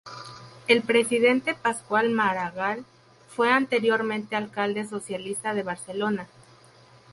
El presidente, Pasqual Maragall, fue anteriormente alcalde socialista de Barcelona.